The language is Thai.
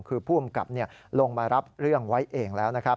คือผู้อำกับลงมารับเรื่องไว้เองแล้วนะครับ